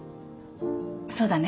そうだね。